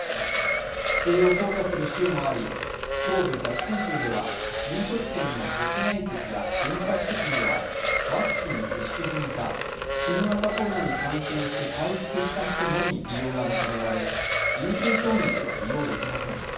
規制を強化する週もあり、東部ザクセン州では飲食店の屋内席や文化施設などはワクチン接種済みか新型コロナに感染して回復した人のみ利用が認められ、陰性証明では利用できません。